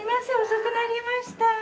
遅くなりました。